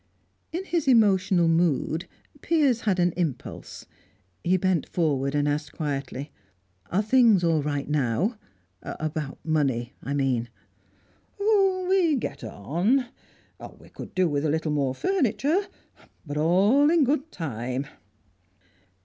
In his emotional mood, Piers had an impulse. He bent forward and asked quietly: "Are things all right now? About money, I mean." "Oh, we get on. We could do with a little more furniture, but all in good time."